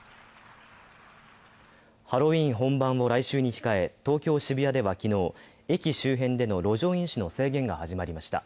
ハロウィーン本番を来週に控え東京・渋谷では昨日、駅周辺での路上飲酒の制限が始まりました。